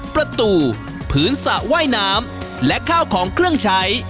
ประตูพื้นสระว่ายน้ำและข้าวของเครื่องใช้